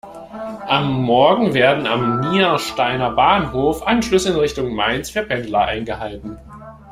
Am Morgen werden am Niersteiner Bahnhof Anschlüsse in Richtung Mainz für Pendler eingehalten.